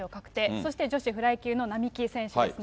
そして女子フライ級の並木選手ですね。